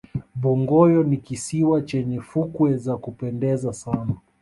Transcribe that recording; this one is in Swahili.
bongoyo ni kisiwa chenye fukwe za kupendeza sana